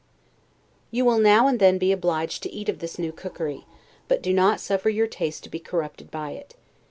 You will now and then be obliged to eat of this new cookery, but do not suffer your taste to be corrupted by it.